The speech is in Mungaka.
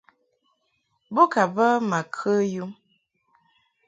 Bo ka bə ma kə yum.